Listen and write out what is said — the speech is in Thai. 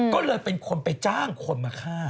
ก็เลยเป็นคนไปจ้างคนมาฆ่า